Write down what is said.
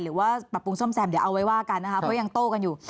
หรือว่าปรับปรุงซ่อมแซมเดี๋ยวเอาไว้ว่ากันนะคะเพราะยังโต้กันอยู่